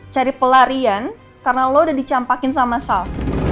cari pelarian karena lo udah dicampakin sama salf